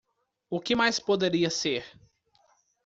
O que mais poderia ser?